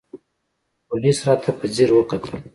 پوليس راته په ځير وکتل.